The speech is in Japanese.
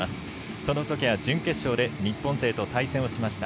そのときは準決勝で日本勢と対戦をしました。